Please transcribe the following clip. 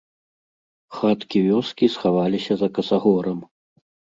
Хаткі вёскі схаваліся за касагорам.